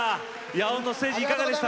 野音のステージいかがでした？